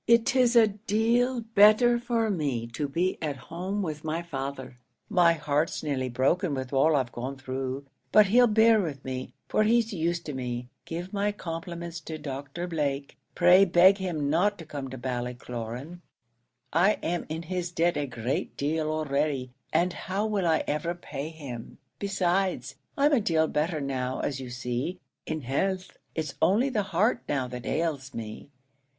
It is a deal better for me to be at home with my father; my heart's nearly broken with all I've gone through; but he'll bear with me, for he's used to me. Give my compliments to Doctor Blake. Pray beg him not to come to Ballycloran. I am in his debt a great deal already, and how will I ever pay him? Besides, I'm a deal better now, as you see, in health; it's only the heart now that ails me.